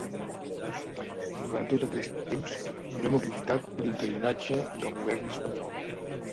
Durant tot aquest temps no hem aprofitat l’interinatge del govern espanyol.